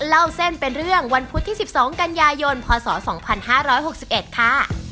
เล่าเส้นเป็นเรื่องวันพุธที่๑๒กันยายนพศ๒๕๖๑ค่ะ